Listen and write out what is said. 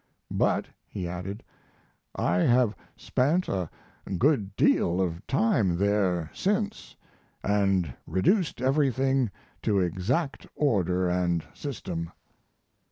"But," he added, "I have spent a good deal of time there since, and reduced everything to exact order and system."